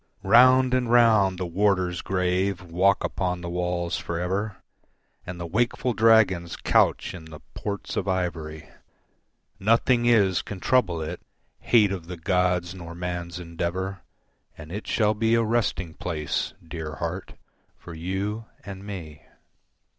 Round and round the warders grave walk upon the walls for ever And the wakeful dragons couch in the ports of ivory, Nothing is can trouble it, hate of the gods nor man's endeavour, And it shall be a resting place, dear heart, for you and me.